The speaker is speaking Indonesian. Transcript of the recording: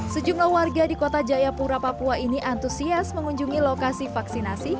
sejumlah warga di kota jayapura papua ini antusias mengunjungi lokasi vaksinasi